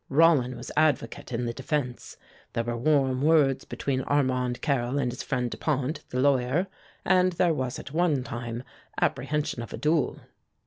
Rollin was advocate in the defence. There were warm words between Armand Carrel and his friend Dupont, the lawyer, and there was at one time apprehension of a duel."